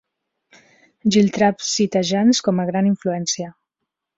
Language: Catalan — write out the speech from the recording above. Giltrap cita Jansch com a gran influència.